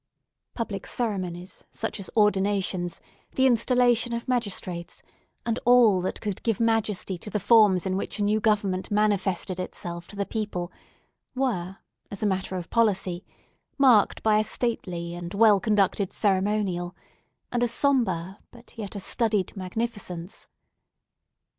Public ceremonies, such as ordinations, the installation of magistrates, and all that could give majesty to the forms in which a new government manifested itself to the people, were, as a matter of policy, marked by a stately and well conducted ceremonial, and a sombre, but yet a studied magnificence.